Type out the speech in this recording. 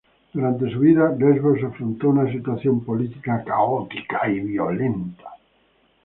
Durante su vida, Lesbos afrontó una situación política caótica y violenta.